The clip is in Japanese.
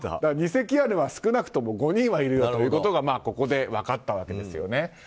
偽キアヌは少なくとも５人はいるということがここで分かったわけです。